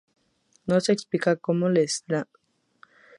No se explica cómo les son devueltas sus habilidades mutantes.